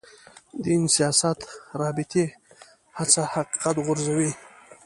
دین سیاست رابطې هڅه حقیقت غورځوي.